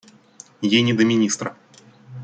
Ей не до министра.